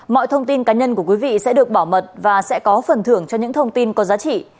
mọi thông tin cá nhân của quý vị sẽ được bảo mật và sẽ có phần thưởng cho những thông tin có giá trị